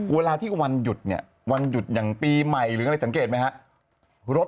เวลาที่วันหยุดอย่างปีใหม่หรืออะไรสังเกตไหมครับ